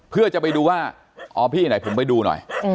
เพื่อจะไปดูว่าอ๋อพี่ไหนผมไปดูหน่อย